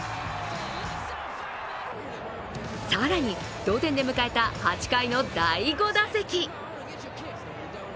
更に、同点で迎えた８回の第５打席。